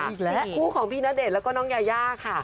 และคู่ของพี่ณเดชน์แล้วก็น้องยาย่าค่ะ